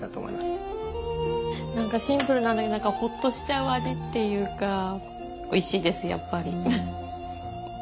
何かシンプルなんだけどホッとしちゃう味っていうかおいしいですやっぱり。